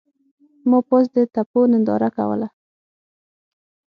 ما پاس د تپو ننداره کوله.